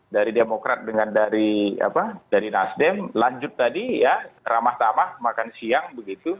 dari demokrat dengan dari nasdem lanjut tadi ya ramah tamah makan siang begitu